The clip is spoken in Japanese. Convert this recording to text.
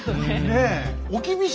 ねえ？